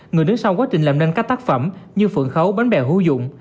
người đứng sau quá trình làm nên các tác phẩm như phượng khấu bánh bèo hữu dụng